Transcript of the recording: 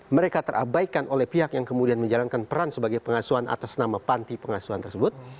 mereka terabaikan oleh pihak yang kemudian menjalankan peran sebagai pengasuhan atas nama panti pengasuhan tersebut